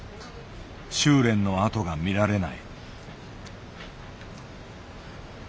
習練のあとが見られない。